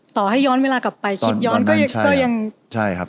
ต่อให้ย้อนเวลากลับไปคิดย้อนก็ยังตอนนั้นใช่ครับใช่ครับ